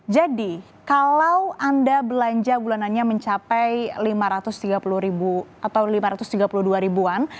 kalau anda belanja bulanannya mencapai lima ratus tiga puluh ribu atau lima ratus tiga puluh dua ribu an